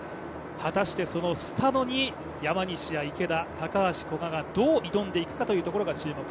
果たしてそのスタノに山西や池田、高橋、古賀がどう挑んでいくかというところが注目。